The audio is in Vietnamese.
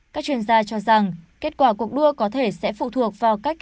các chuyên gia cho rằng kết quả cuộc đua có thể sẽ phụ thuộc vào cách